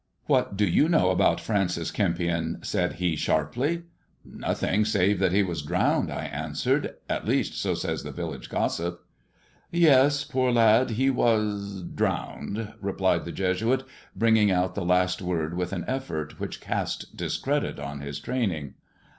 " What do you know about Francis Kempionl" said he sharply. "Nothing, save that he was drowned/* I answered — "at least, so says the village gossip." " Yes, poor lad, he was — drowned," replied the Jesuit, bringing out the last word with an effort which cast discredit on his training.